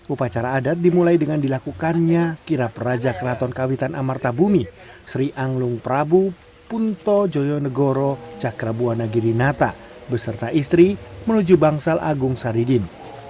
upacara adat dimulai dengan dilakukannya kirap raja kraton kawitan amar tabubi sri anglung prabu punto joyonegoro cakrabuanagiri nata beserta istri menuju bangsal agung saridin